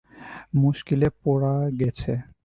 মুশকিলে পড়া গেছে।